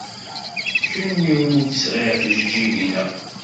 D kenwi umi d-sɣiɣ tijeǧǧigin-a.